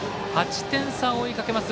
８点差を追いかけます。